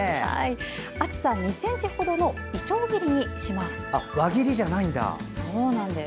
厚さ２ｃｍほどのいちょう切りにします。